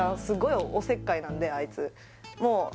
すごいおせっかいなんであいつもう